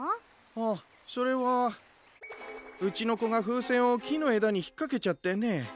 あそれはうちのこがふうせんをきのえだにひっかけちゃってね。